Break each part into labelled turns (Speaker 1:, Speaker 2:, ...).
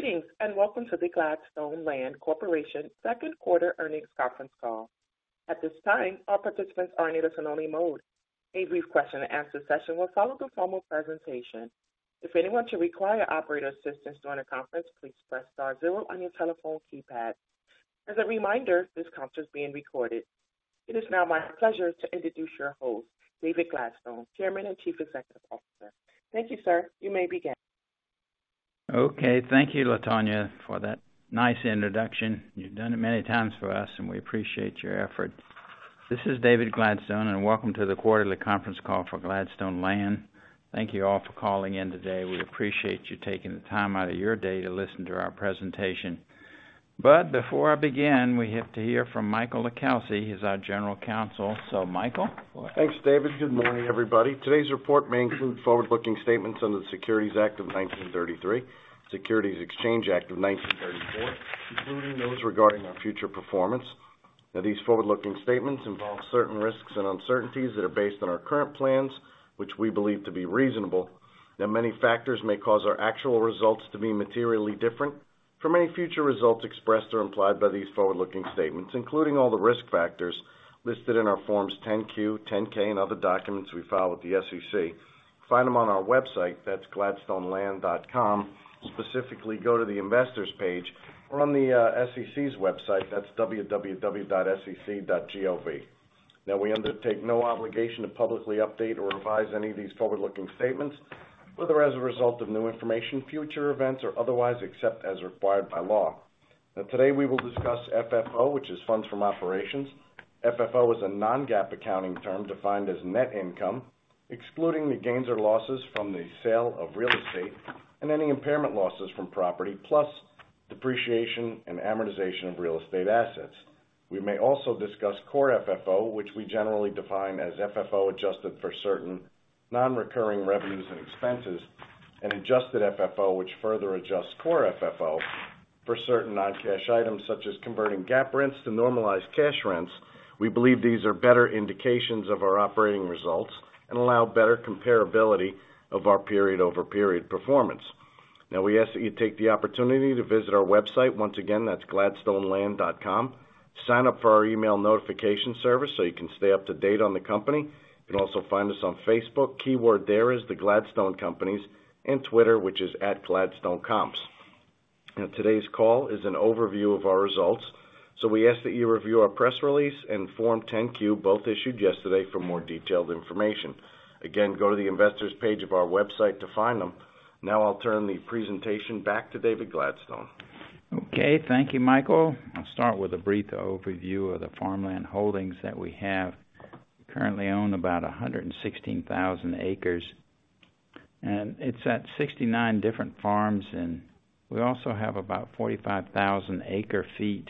Speaker 1: Greetings, and welcome to the Gladstone Land Corporation Second Quarter Earnings Conference Call. At this time, all participants are in a listen-only mode. A brief question-and-answer session will follow the formal presentation. If anyone should require operator assistance during the conference, please press star zero on your telephone keypad. As a reminder, this conference is being recorded. It is now my pleasure to introduce your host, David Gladstone, Chairman and Chief Executive Officer. Thank you, sir. You may begin.
Speaker 2: Okay, thank you, Latonya, for that nice introduction. You've done it many times for us, and we appreciate your effort. This is David Gladstone, and welcome to the quarterly conference call for Gladstone Land. Thank you all for calling in today. We appreciate you taking the time out of your day to listen to our presentation. Before I begin, we have to hear from Michael LiCalsi, he's our General Counsel. Michael?
Speaker 3: Thanks, David. Good morning, everybody. Today's report may include forward-looking statements under the Securities Act of 1933, Securities Exchange Act of 1934, including those regarding our future performance. Now, these forward-looking statements involve certain risks and uncertainties that are based on our current plans, which we believe to be reasonable, that many factors may cause our actual results to be materially different from any future results expressed or implied by these forward-looking statements, including all the risk factors listed in our Forms 10-Q, 10-K and other documents we file with the SEC. Find them on our website, that's gladstoneland.com. Specifically, go to the Investors page or on the SEC's website, that's www.sec.gov. Now, we undertake no obligation to publicly update or revise any of these forward-looking statements, whether as a result of new information, future events, or otherwise, except as required by law. Now, today, we will discuss FFO, which is Funds From Operations. FFO is a non-GAAP accounting term defined as net income, excluding the gains or losses from the sale of real estate and any impairment losses from property, plus depreciation and amortization of real estate assets. We may also discuss Core FFO, which we generally define as FFO, adjusted for certain non-recurring revenues and expenses, and Adjusted FFO, which further adjusts Core FFO for certain non-cash items, such as converting GAAP rents to normalized cash rents. We believe these are better indications of our operating results and allow better comparability of our period-over-period performance. Now, we ask that you take the opportunity to visit our website. Once again, that's gladstoneland.com. Sign up for our email notification service so you can stay up to date on the company. You can also find us on Facebook. Keyword there is The Gladstone Companies, and Twitter, which is at gladstonecomps. Today's call is an overview of our results, so we ask that you review our press release and Form 10-Q, both issued yesterday, for more detailed information. Again, go to the Investors page of our website to find them. I'll turn the presentation back to David Gladstone.
Speaker 2: Okay, thank you, Michael. I'll start with a brief overview of the farmland holdings that we have. Currently own about 116,000 acres, and it's at 69 different farms, and we also have about 45,000 acre-feet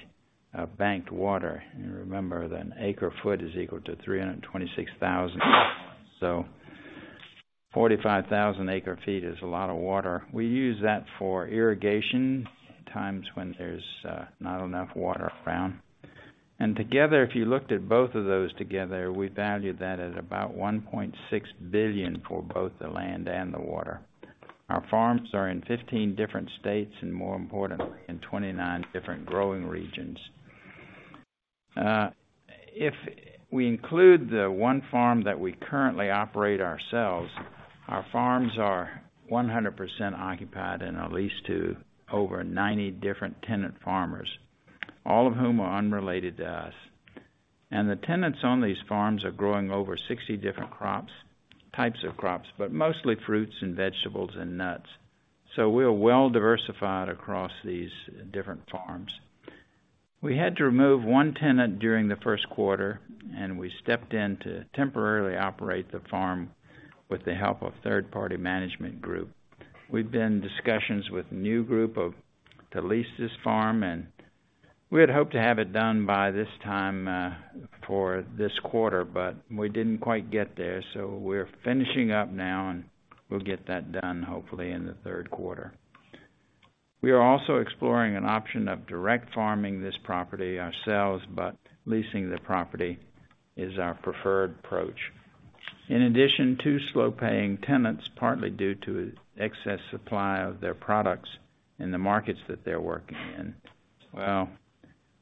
Speaker 2: of banked water. Remember, then acre-foot is equal to 326,000. 45,000 acre-feet is a lot of water. We use that for irrigation in times when there's not enough water around. Together, if you looked at both of those together, we valued that at about $1.6 billion for both the land and the water. Our farms are in 15 different states, and more importantly, in 29 different growing regions. If we include the one farm that we currently operate ourselves, our farms are 100% occupied and are leased to over 90 different tenant farmers, all of whom are unrelated to us. The tenants on these farms are growing over 60 different crops, types of crops, but mostly fruits and vegetables and nuts. We are well diversified across these different farms. We had to remove one tenant during the first quarter, and we stepped in to temporarily operate the farm with the help of third-party management group. We've been in discussions with a new group to lease this farm, and we had hoped to have it done by this time for this quarter, but we didn't quite get there. We're finishing up now, and we'll get that done, hopefully, in the third quarter. We are also exploring an option of direct farming this property ourselves, but leasing the property is our preferred approach. In addition, two slow-paying tenants, partly due to excess supply of their products in the markets that they're working in. Well,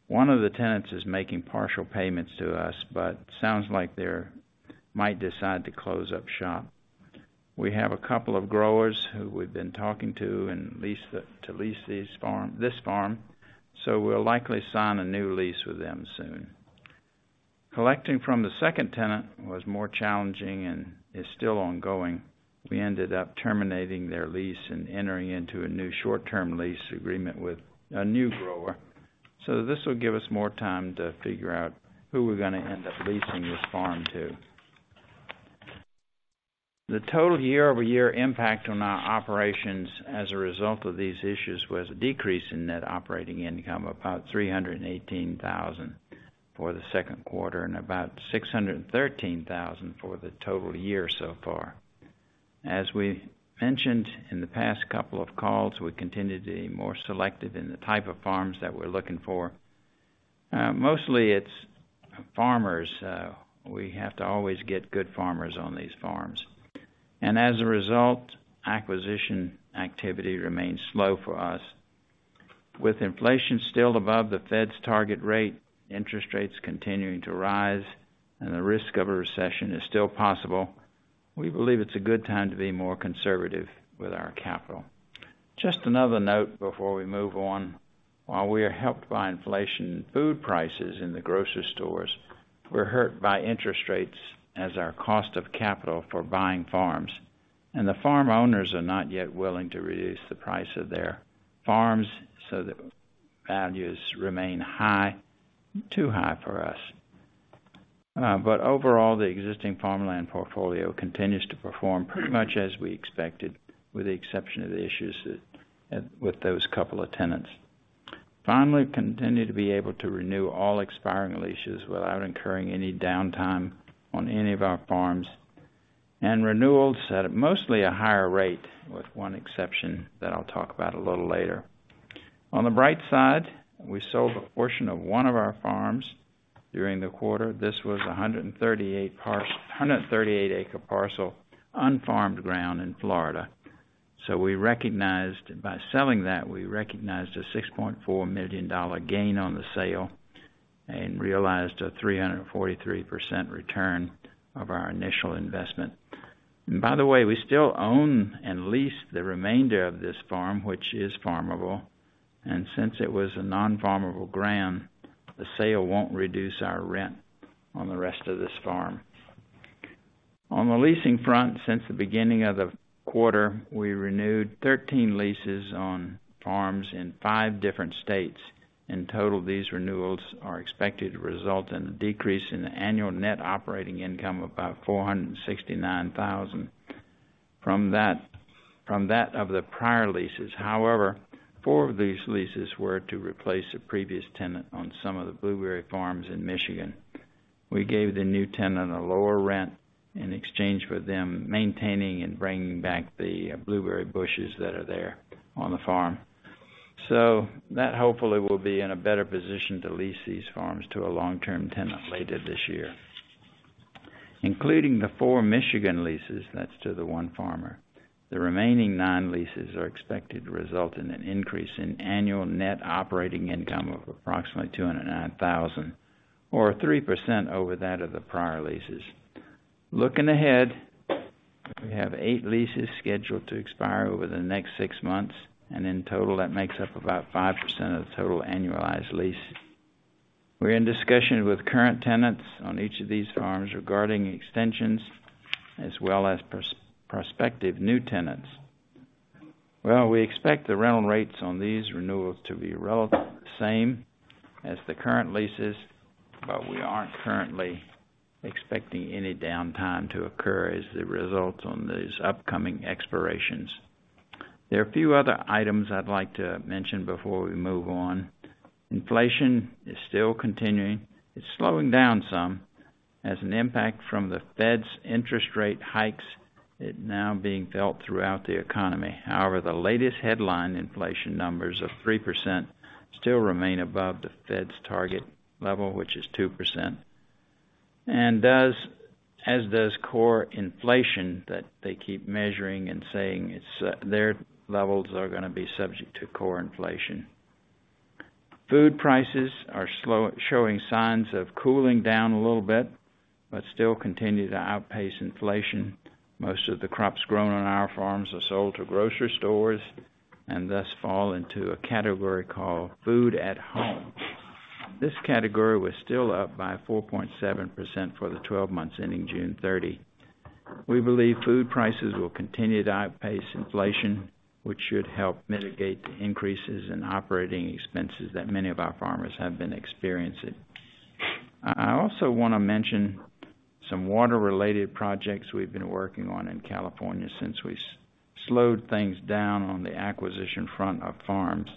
Speaker 2: one of the tenants is making partial payments to us, but sounds like they're might decide to close up shop. We have a couple of growers who we've been talking to and lease to lease this farm, this farm, so we'll likely sign a new lease with them soon. Collecting from the second tenant was more challenging and is still ongoing. We ended up terminating their lease and entering into a new short-term lease agreement with a new grower. This will give us more time to figure out who we're gonna end up leasing this farm to. The total year-over-year impact on our operations as a result of these issues, was a decrease in net operating income of about $318,000 for the second quarter and about $613,000 for the total year so far. As we mentioned in the past couple of calls, we continued to be more selective in the type of farms that we're looking for. Mostly it's farmers. We have to always get good farmers on these farms. As a result, acquisition activity remains slow for us. With inflation still above the Fed's target rate, interest rates continuing to rise, and the risk of a recession is still possible, we believe it's a good time to be more conservative with our capital. Just another note before we move on. While we are helped by inflation in food prices in the grocery stores, we're hurt by interest rates as our cost of capital for buying farms, and the farm owners are not yet willing to reduce the price of their farms, so the values remain high, too high for us. But overall, the existing farmland portfolio continues to perform pretty much as we expected, with the exception of the issues with, with those couple of tenants. Finally, we continue to be able to renew all expiring leases without incurring any downtime on any of our farms, and renewals at mostly a higher rate, with one exception that I'll talk about a little later. On the bright side, we sold a portion of one of our farms during the quarter. This was a 138 acre parcel, un-farmed ground in Florida. By selling that, we recognized a $6.4 million gain on the sale and realized a 343% return of our initial investment. By the way, we still own and lease the remainder of this farm, which is farmable, and since it was a non-farmable ground, the sale won't reduce our rent on the rest of this farm. On the leasing front, since the beginning of the quarter, we renewed 13 leases on farms in five different states. In total, these renewals are expected to result in a decrease in the annual net operating income of about $469,000. From that of the prior leases, however, four of these leases were to replace a previous tenant on some of the blueberry farms in Michigan. We gave the new tenant a lower rent in exchange for them maintaining and bringing back the blueberry bushes that are there on the farm. That, hopefully, will be in a better position to lease these farms to a long-term tenant later this year. Including the four Michigan leases, that's to the one farmer, the remaining nine leases are expected to result in an increase in annual net operating income of approximately $209,000, or 3% over that of the prior leases. Looking ahead, we have eight leases scheduled to expire over the next six months, and in total, that makes up about 5% of the total annualized lease. We're in discussion with current tenants on each of these farms regarding extensions as well as prospective new tenants. Well, we expect the rental rates on these renewals to be relatively the same as the current leases, but we aren't currently expecting any downtime to occur as a result on these upcoming expirations. There are a few other items I'd like to mention before we move on. Inflation is still continuing. It's slowing down some as an impact from the Fed's interest rate hikes, it now being felt throughout the economy. The latest headline, inflation numbers of 3%, still remain above the Fed's target level, which is 2%, and as does core inflation, that they keep measuring and saying, it's, their levels are gonna be subject to core inflation. Food prices are showing signs of cooling down a little bit, but still continue to outpace inflation. Most of the crops grown on our farms are sold to grocery stores, thus fall into a category called food at home. This category was still up by 4.7% for the 12 months ending June 30th. We believe food prices will continue to outpace inflation, which should help mitigate the increases in operating expenses that many of our farmers have been experiencing. I also want to mention some water-related projects we've been working on in California since we slowed things down on the acquisition front of farms.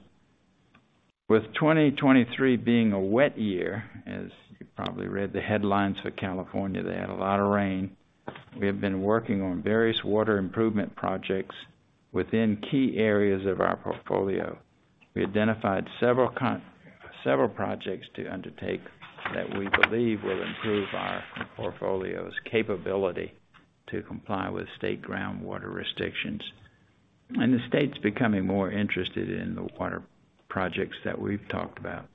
Speaker 2: With 2023 being a wet year, as you probably read the headlines for California, they had a lot of rain. We have been working on various water improvement projects within key areas of our portfolio. We identified several projects to undertake that we believe will improve our portfolio's capability to comply with state groundwater restrictions. And the state's becoming more interested in the water projects that we've talked about,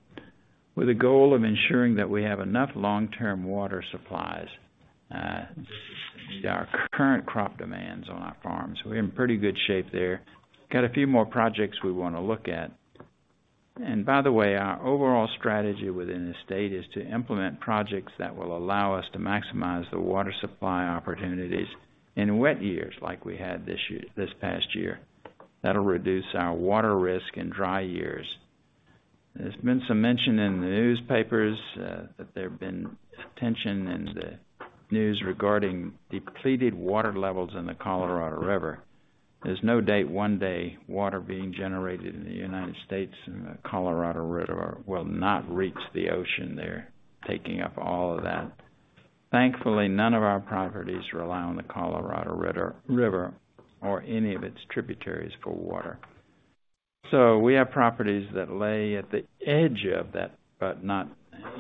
Speaker 2: with a goal of ensuring that we have enough long-term water supplies to meet our current crop demands on our farms. We're in pretty good shape there. Got a few more projects we want to look at. And by the way, our overall strategy within the state is to implement projects that will allow us to maximize the water supply opportunities in wet years like we had this year, this past year. That'll reduce our water risk in dry years. There's been some mention in the newspapers that there have been tension in the news regarding depleted water levels in the Colorado River. There's no date one day, water being generated in the United States, and the Colorado River will not reach the ocean there, taking up all of that. Thankfully, none of our properties rely on the Colorado River or any of its tributaries for water. So we have properties that lay at the edge of that, but not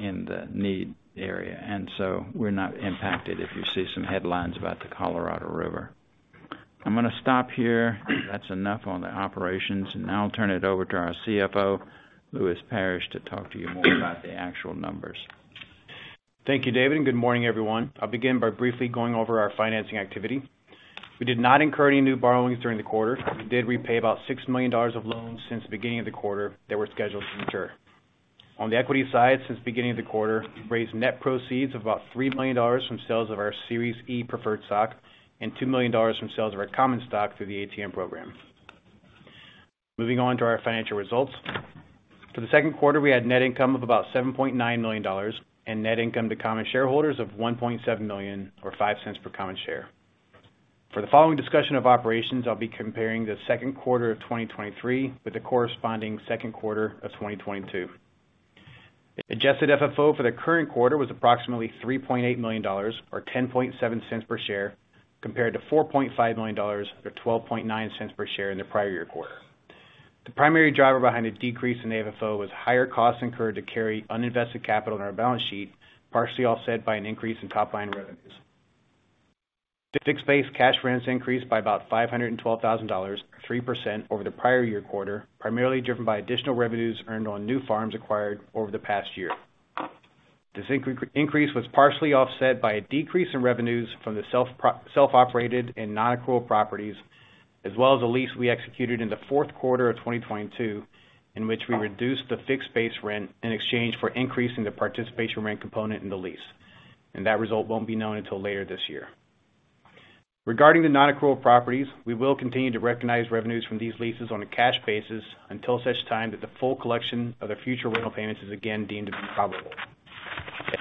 Speaker 2: in the need area, and so we're not impacted if you see some headlines about the Colorado River. I'm gonna stop here. That's enough on the operations, and now I'll turn it over to our CFO, Lewis Parrish, to talk to you more about the actual numbers.
Speaker 4: Thank you, David. Good morning, everyone. I'll begin by briefly going over our financing activity. We did not incur any new borrowings during the quarter. We did repay about $6 million of loans since the beginning of the quarter that were scheduled to mature. On the equity side, since the beginning of the quarter, we've raised net proceeds of about $3 million from sales of our Series E preferred stock and $2 million from sales of our common stock through the ATM Program. Moving on to our financial results. For the second quarter, we had net income of about $7.9 million, and net income to common shareholders of $1.7 million, or $0.05 per common share. For the following discussion of operations, I'll be comparing the second quarter of 2023 with the corresponding second quarter of 2022. Adjusted FFO for the current quarter was approximately $3.8 million, or $0.107 per share, compared to $4.5 million, or $0.129 per share in the prior year quarter. The primary driver behind the decrease in the FFO was higher costs incurred to carry uninvested capital on our balance sheet, partially offset by an increase in top line revenues. The fixed-based cash rents increased by about $512,000, 3% over the prior-year-quarter, primarily driven by additional revenues earned on new farms acquired over the past year. This increase was partially offset by a decrease in revenues from the self-operated and non-accrual properties, as well as the lease we executed in the fourth quarter of 2022, in which we reduced the fixed base rent in exchange for increasing the participation rent component in the lease, and that result won't be known until later this year. Regarding the nonaccrual properties, we will continue to recognize revenues from these leases on a cash basis until such time that the full collection of the future rental payments is again deemed to be probable.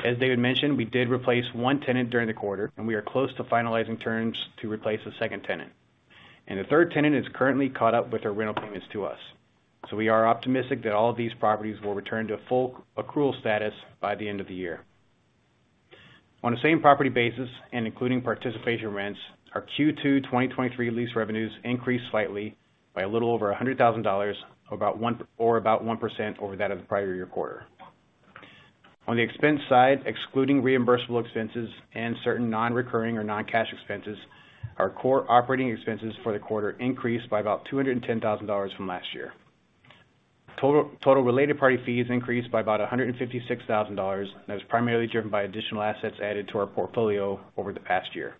Speaker 4: As David mentioned, we did replace one tenant during the quarter, and we are close to finalizing terms to replace a second tenant. The third tenant is currently caught up with their rental payments to us. We are optimistic that all of these properties will return to a full accrual status by the end of the year. On the same property basis and including participation rents, our Q2 2023 lease revenues increased slightly by a little over $100,000, about 1% over that of the prior-year-quarter. On the expense side, excluding reimbursable expenses and certain non-recurring or non-cash expenses, our core operating expenses for the quarter increased by about $210,000 from last year. Total related party fees increased by about $156,000, and that was primarily driven by additional assets added to our portfolio over the past year.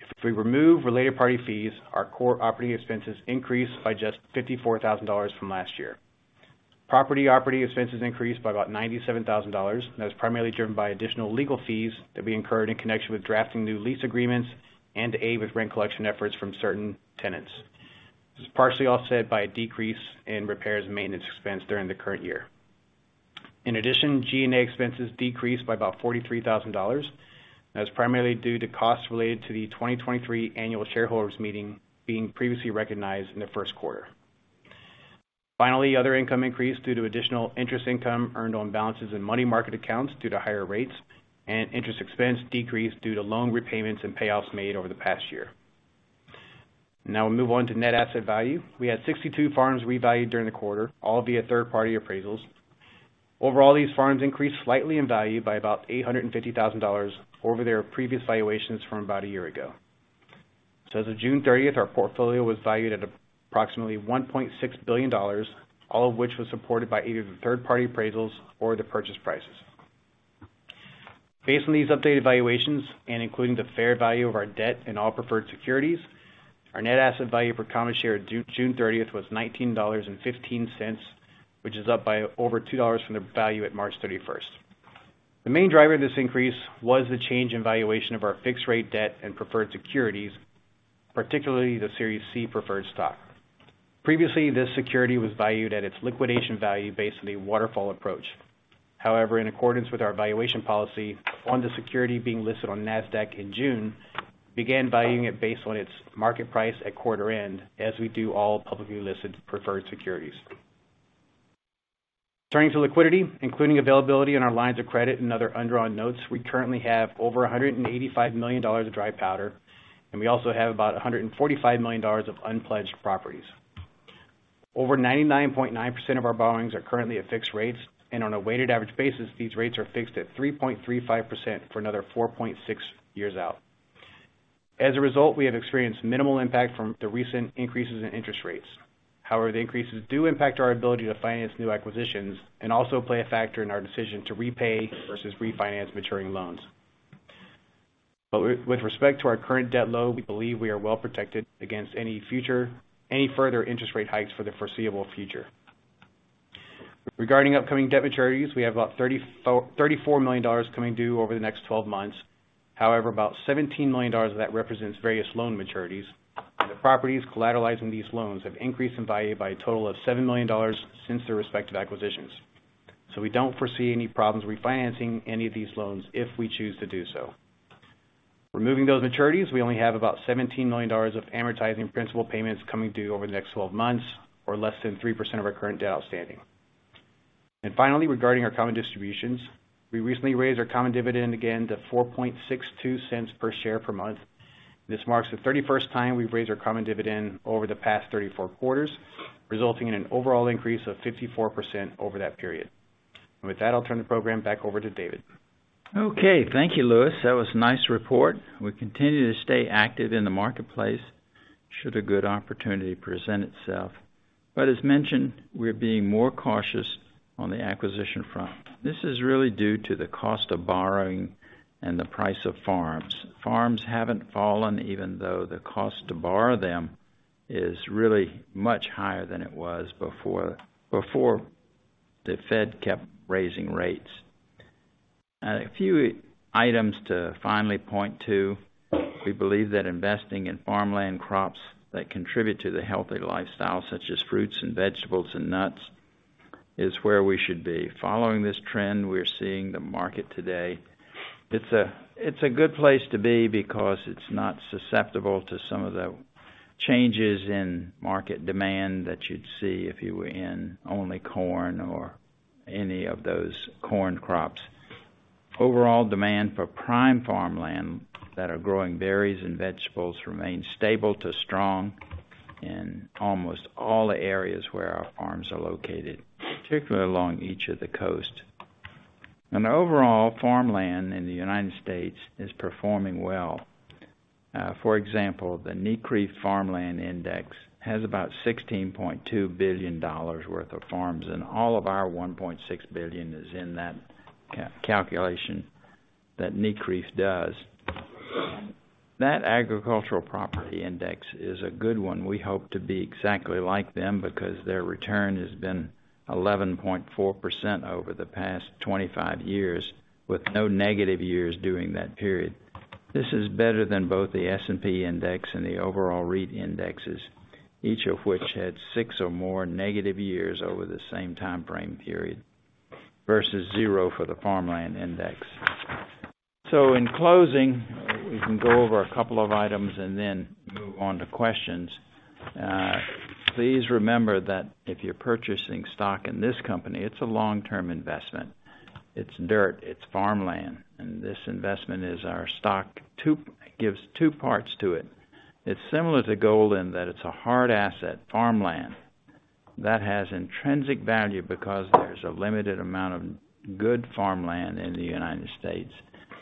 Speaker 4: If we remove related party fees, our core operating expenses increased by just $54,000 from last year. Property operating expenses increased by about $97,000. That was primarily driven by additional legal fees that we incurred in connection with drafting new lease agreements and to aid with rent collection efforts from certain tenants. This is partially offset by a decrease in repairs and maintenance expense during the current year. In addition, G&A expenses decreased by about $43,000. That was primarily due to costs related to the 2023 annual shareholders meeting being previously recognized in the first quarter. Finally, other income increased due to additional interest income earned on balances in money market accounts due to higher rates, and interest expense decreased due to loan repayments and payoffs made over the past year. We'll move on to net asset value. We had 62 farms revalued during the quarter, all via third-party appraisals. Overall, these farms increased slightly in value by about $850,000 over their previous valuations from about a year ago. As of June 30th, our portfolio was valued at approximately $1.6 billion, all of which was supported by either the third-party appraisals or the purchase prices. Based on these updated valuations and including the fair value of our debt and all preferred securities, our net asset value per common share at June 30th was $19.15, which is up by over $2 from the value at March 31st. The main driver of this increase was the change in valuation of our fixed rate debt and preferred securities, particularly the Series C Preferred Stock. Previously, this security was valued at its liquidation value based on a waterfall approach. However, in accordance with our valuation policy, on the security being listed on NASDAQ in June, began valuing it based on its market price at quarter end, as we do all publicly listed preferred securities. Turning to liquidity, including availability in our lines of credit and other undrawn notes, we currently have over $185 million of dry powder, and we also have about $145 million of unpledged properties. Over 99.9% of our borrowings are currently at fixed rates, and on a weighted average basis, these rates are fixed at 3.35% for another 4.6 years out. As a result, we have experienced minimal impact from the recent increases in interest rates. The increases do impact our ability to finance new acquisitions and also play a factor in our decision to repay versus refinance maturing loans. With, with respect to our current debt load, we believe we are well protected against any further interest rate hikes for the foreseeable future. Regarding upcoming debt maturities, we have about $34 million coming due over the next 12 months. About $17 million of that represents various loan maturities. The properties collateralizing these loans have increased in value by a total of $7 million since their respective acquisitions. We don't foresee any problems refinancing any of these loans if we choose to do so. Removing those maturities, we only have about $17 million of amortizing principal payments coming due over the next 12 months, or less than 3% of our current debt outstanding. Finally, regarding our common distributions, we recently raised our common dividend again to $0.0462 per share per month. This marks the 31st time we've raised our common dividend over the past 34 quarters, resulting in an overall increase of 54% over that period. With that, I'll turn the program back over to David.
Speaker 2: Okay. Thank you, Lewis. That was a nice report. We continue to stay active in the marketplace should a good opportunity present itself. As mentioned, we're being more cautious on the acquisition front. This is really due to the cost of borrowing and the price of farms. Farms haven't fallen, even though the cost to borrow them is really much higher than it was before, before the Fed kept raising rates. A few items to finally point to, we believe that investing in farmland crops that contribute to the healthy lifestyle, such as fruits and vegetables and nuts, is where we should be. Following this trend, we're seeing the market today. It's a good place to be because it's not susceptible to some of the changes in market demand that you'd see if you were in only corn or any of those corn crops. Overall demand for prime farmland that are growing berries and vegetables remains stable to strong in almost all the areas where our farms are located, particularly along each of the coasts. Overall, Farmland in the United States is performing well. For example, the NCREIF Farmland Index has about $16.2 billion worth of farms, and all of our $1.6 billion is in that calculation that NCREIF does. That agricultural property index is a good one. We hope to be exactly like them because their return has been 11.4% over the past 25 years, with no negative years during that period. This is better than both the S&P Index and the overall REIT indexes, each of which had 6 or more negative years over the same time frame period, versus zero for the Farmland Index. In closing, we can go over a couple of items and then move on to questions. Please remember that if you're purchasing stock in this company, it's a long-term investment. It's dirt, it's Farmland, and this investment gives two parts to it. It's similar to gold in that it's a hard asset, Farmland, that has intrinsic value because there's a limited amount of good Farmland in the United States,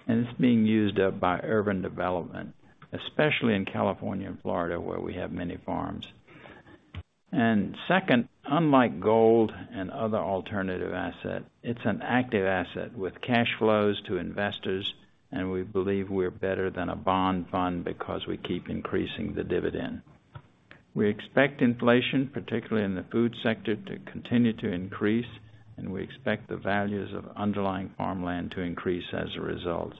Speaker 2: and it's being used up by urban development, especially in California and Florida, where we have many farms. Second, unlike gold and other alternative asset, it's an active asset with cash flows to investors, and we believe we're better than a bond fund because we keep increasing the dividend. We expect inflation, particularly in the food sector, to continue to increase, and we expect the values of underlying Farmland to increase as a result.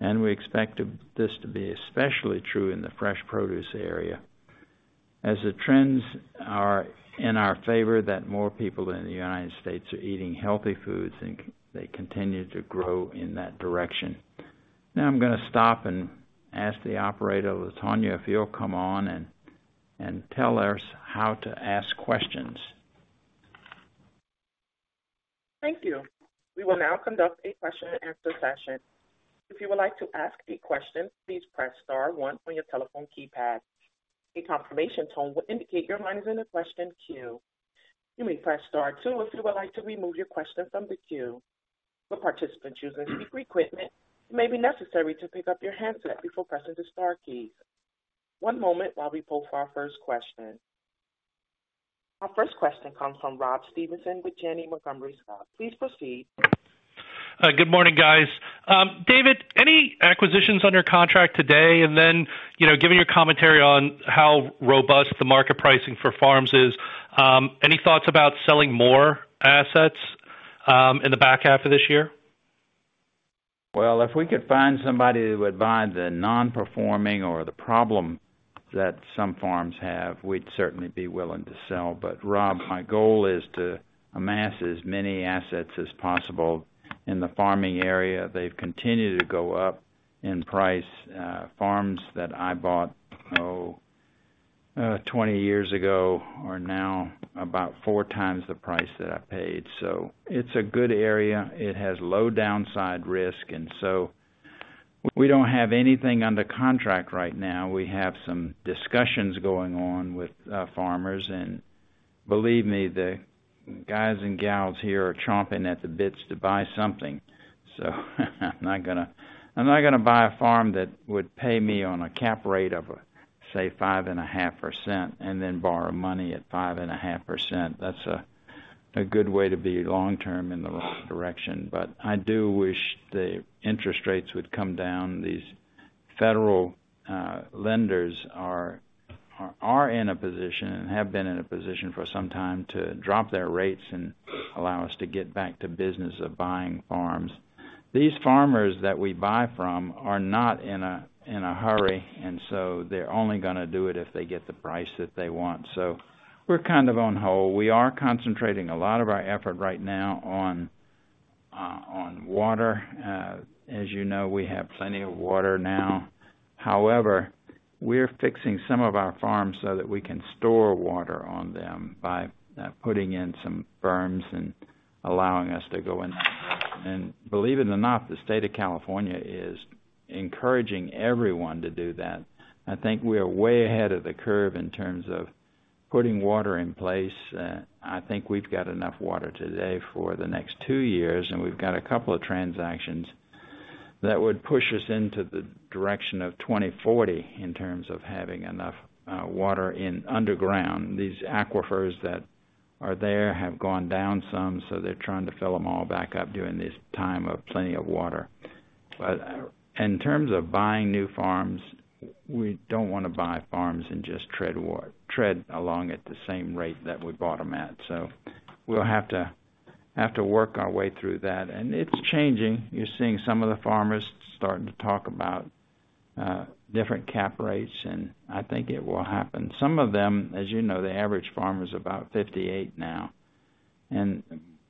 Speaker 2: We expect this to be especially true in the fresh produce area, as the trends are in our favor, that more people in the United States are eating healthy foods, and they continue to grow in that direction. I'm going to stop and ask the operator, Latonya, if you'll come on and tell us how to ask questions.
Speaker 1: Thank you. We will now conduct a Q&A session. If you would like to ask a question, please press star one on your telephone keypad. A confirmation tone will indicate your line is in the question queue. You may press star two if you would like to remove your question from the queue. For participants using speaker equipment, it may be necessary to pick up your handset before pressing the star keys. One moment while we pull for our first question. Our first question comes from Rob Stevenson with Janney Montgomery Scott. Please proceed.
Speaker 5: Good morning, guys. David, any acquisitions under contract today? You know, given your commentary on how robust the market pricing for farms is, any thoughts about selling more assets in the back half of this year?
Speaker 2: Well, if we could find somebody who would buy the non-performing or the problem that some farms have, we'd certainly be willing to sell. Rob, my goal is to amass as many assets as possible in the farming area. They've continued to go up in price. Farms that I bought, oh, 20 years ago, are now about four times the price that I paid. It's a good area. It has low downside risk, and so we don't have anything under contract right now. We have some discussions going on with farmers, and believe me, the guys and gals here are chomping at the bits to buy something. I'm not gonna, I'm not gonna buy a farm that would pay me on a cap rate of, say, 5.5% and then borrow money at 5.5%. That's a good way to be long-term in the wrong direction. I do wish the interest rates would come down. These federal lenders are in a position and have been in a position for some time to drop their rates and allow us to get back to business of buying farms. These farmers that we buy from are not in a hurry, and they're only gonna do it if they get the price that they want. We're kind of on hold. We are concentrating a lot of our effort right now on water. As you know, we have plenty of water now. However, we're fixing some of our farms so that we can store water on them by putting in some berms and allowing us to go in. Believe it or not, the state of California is encouraging everyone to do that. I think we are way ahead of the curve in terms of putting water in place. I think we've got enough water today for the next two years, and we've got a couple of transactions that would push us into the direction of 2040, in terms of having enough water in underground. These aquifers that are there have gone down some, so they're trying to fill them all back up during this time of plenty of water. In terms of buying new farms, we don't want to buy farms and just tread along at the same rate that we bought them at. We'll have to, have to work our way through that. It's changing. You're seeing some of the farmers starting to talk about different cap rates, and I think it will happen. Some of them, as you know, the average farmer is about 58 now, and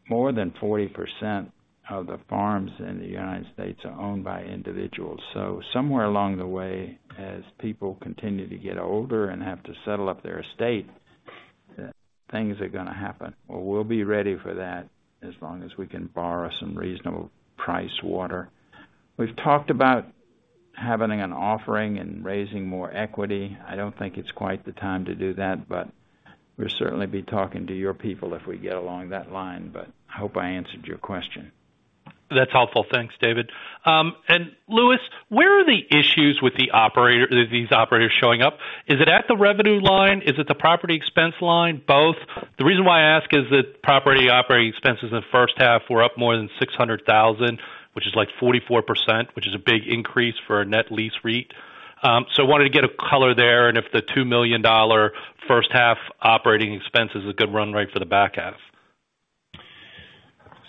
Speaker 2: more than 40% of the farms in the United States are owned by individuals. So somewhere along the way, as people continue to get older and have to settle up their estate, things are gonna happen. We'll be ready for that as long as we can borrow some reasonable priced water. We've talked about having an offering and raising more equity. I don't think it's quite the time to do that, but we'll certainly be talking to your people if we get along that line. I hope I answered your question.
Speaker 5: That's helpful. Thanks, David. Lewis, where are the issues with these operators showing up? Is it at the revenue line? Is it the property expense line? Both? The reason why I ask is that property operating expenses in the first half were up more than $600,000, which is like 44%, which is a big increase for a net lease REIT. So I wanted to get a color there, and if the $2 million first half operating expense is a good run rate for the back half.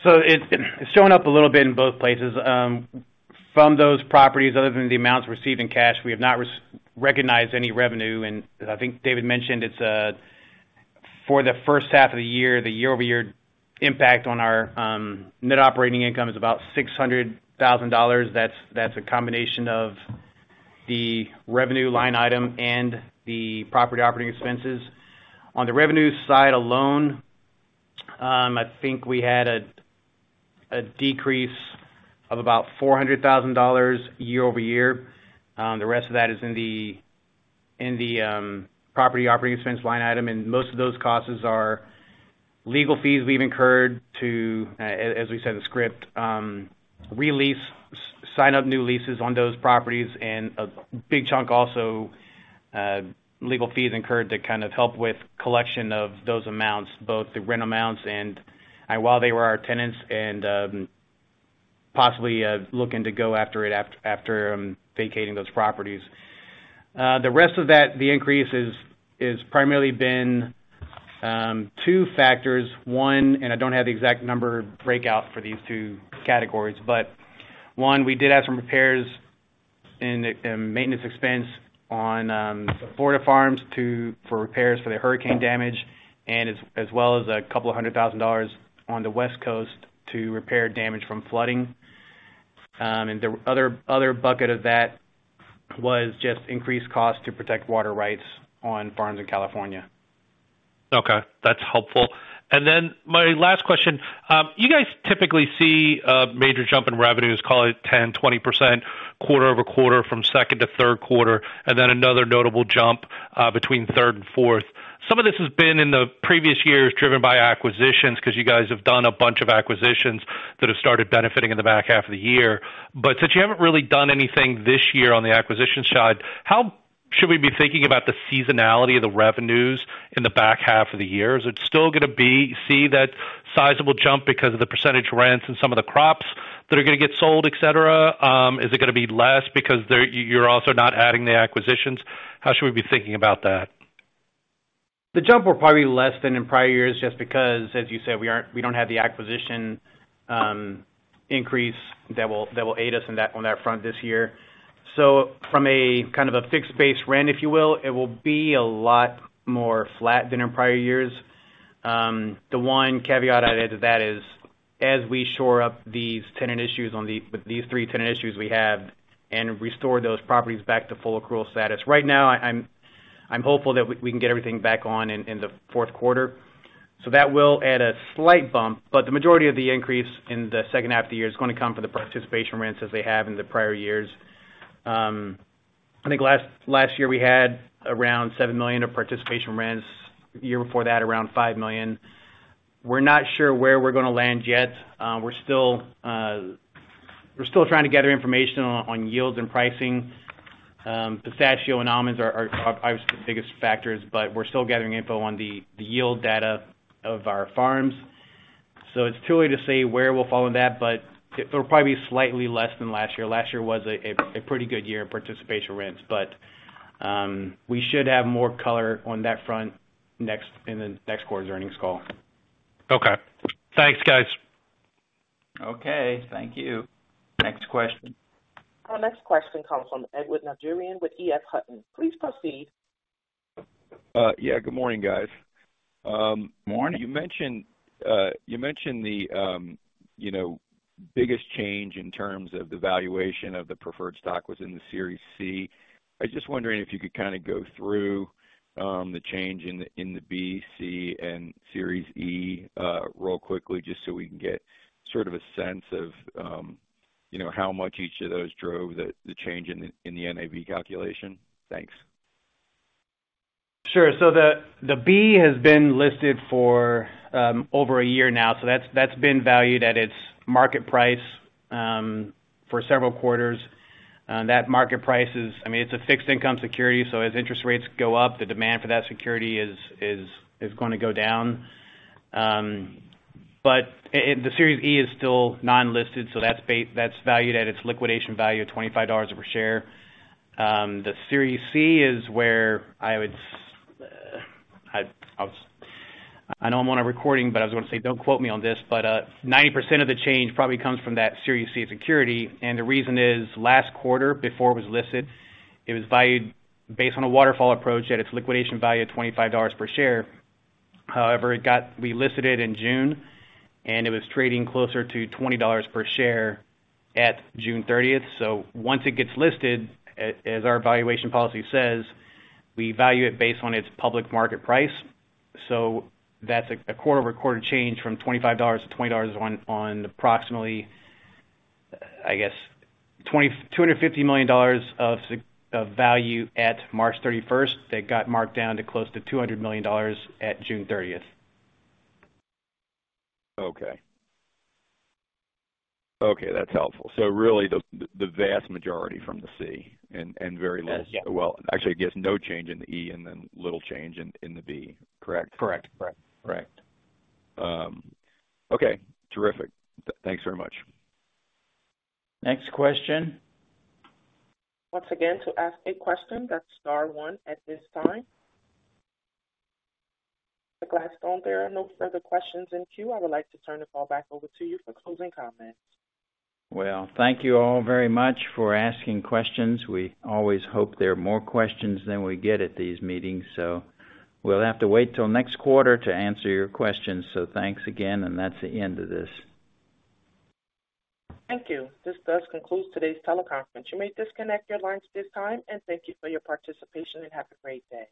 Speaker 4: It's showing up a little bit in both places. From those properties, other than the amounts received in cash, we have not recognized any revenue. As I think David mentioned, it's for the first half of the year, the year-over-year impact on our net operating income is about $600,000. That's a combination of the revenue line item and the property operating expenses. On the revenue side alone, I think we had a decrease of about $400,000 year-over-year. The rest of that is in the, in the property operating expense line item, and most of those costs are legal fees we've incurred to, as we said, the script, re-lease, sign up new leases on those properties, and a big chunk also, legal fees incurred to kind of help with collection of those amounts, both the rent amounts and, while they were our tenants and, possibly, looking to go after it after, vacating those properties. The rest of that, the increase is primarily been two factors. One, and I don't have the exact number breakout for these two categories, but one, we did have some repairs and maintenance expense on Florida farms to... for repairs for the hurricane damage, as well as $200,000 on the West Coast to repair damage from flooding. The other bucket of that was just increased costs to protect water rights on farms in California.
Speaker 5: Okay, that's helpful. Then my last question: you guys typically see a major jump in revenues, call it 10%-20%, quarter-over-quarter from second to third quarter, and then another notable jump between third and fourth. Some of this has been in the previous years driven by acquisitions, because you guys have done a bunch of acquisitions that have started benefiting in the back half of the year. Since you haven't really done anything this year on the acquisition side, how should we be thinking about the seasonality of the revenues in the back half of the year? Is it still gonna be see that sizable jump because of the percentage rents and some of the crops that are gonna get sold, et cetera? Is it gonna be less because they're you're also not adding the acquisitions? How should we be thinking about that?
Speaker 4: The jump will probably be less than in prior years, just because, as you said, we aren't-- we don't have the acquisition increase that will aid us on that front this year. From a kind of a fixed base rent, if you will, it will be a lot more flat than in prior years. The one caveat I'd add to that is, as we shore up these tenant issues on these three tenant issues we have and restore those properties back to full accrual status. Right now, I'm, I'm hopeful that we, we can get everything back on in, in the fourth quarter. That will add a slight bump, but the majority of the increase in the second half of the year is gonna come from the participation rents, as they have in the prior years. I think last, last year we had around $7 million of participation rents. The year before that, around $5 million. We're not sure where we're gonna land yet. We're still, we're still trying to gather information on, on yields and pricing. Pistachio and almonds are obviously the biggest factors, but we're still gathering info on the, the yield data of our farms. It's too early to say where we'll fall on that, but it'll probably be slightly less than last year. Last year was a pretty good year in participation rents, but we should have more color on that front next, in the next quarter's earnings call.
Speaker 5: Okay. Thanks, guys.
Speaker 2: Okay, thank you. Next question.
Speaker 1: Our next question comes from Edward Najarian with EF Hutton. Please proceed.
Speaker 6: Good morning, guys.
Speaker 2: Morning.
Speaker 6: You mentioned, you mentioned the, you know, biggest change in terms of the valuation of the preferred stock was in the Series C. I was just wondering if you could kind of go through, the change in the, in the B, C, and Series E, real quickly, just so we can get sort of a sense of, you know, how much each of those drove the, the change in the, in the NAV calculation? Thanks.
Speaker 4: Sure. The, the Series B has been listed for over a year now, that's, that's been valued at its market price for several quarters. That market price is... I mean, it's a fixed income security, as interest rates go up, the demand for that security is gonna go down. The Series E is still non-listed, that's valued at its liquidation value of $25 per share. The Series C is where I know I'm on a recording, but I just wanna say, don't quote me on this, but 90% of the change probably comes from that Series C security. The reason is, last quarter, before it was listed, it was valued based on a waterfall approach at its liquidation value of $25 per share. It got relisted in June, and it was trading closer to $20 per share at June 30th. Once it gets listed, as our valuation policy says, we value it based on its public market price. That's a quarter-over-quarter change from $25-$20 on approximately, I guess, $2,250 million of value at March 31st. That got marked down to close to $200 million at June 30th.
Speaker 6: Okay. Okay, that's helpful. Really, the vast majority from the C and, and very less-
Speaker 4: Yeah.
Speaker 6: Well, actually, I guess, no change in the E, and then little change in the B. Correct?
Speaker 4: Correct, correct.
Speaker 6: Correct. Okay. Terrific. Thanks very much.
Speaker 2: Next question.
Speaker 1: Once again, to ask a question, that's star one at this time. Gladstone, there are no further questions in queue. I would like to turn the call back over to you for closing comments.
Speaker 2: Well, thank you all very much for asking questions. We always hope there are more questions than we get at these meetings, we'll have to wait till next quarter to answer your questions. Thanks again, and that's the end of this.
Speaker 1: Thank you. This does conclude today's teleconference. You may disconnect your lines at this time, and thank you for your participation, and have a great day.